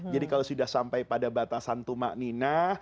jadi kalau sudah sampai pada batasan tumak ninah